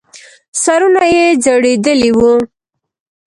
سرونه يې ځړېدلې وو.